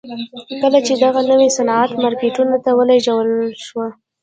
کله چې دغه نوی صنعت مارکیټونو ته ولېږل شو